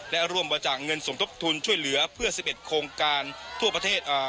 และร่วมบริจาคเงินสมทบทุนช่วยเหลือเพื่อ๑๑โครงการทั่วประเทศ